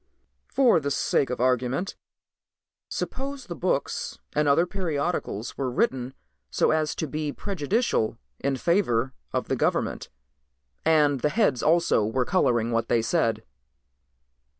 "For the sake of argument suppose the books and other periodicals were written so as to be prejudicial in favor of the government, and the heads also were coloring what they said."